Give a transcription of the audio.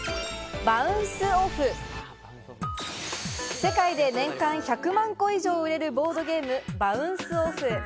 世界で年間１００万個以上売れるボードゲーム『バウンス・オフ！』。